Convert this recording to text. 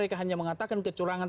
mereka hanya mengatakan kecurangan